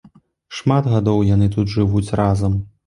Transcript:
Шмат гадоў яны тут жывуць разам.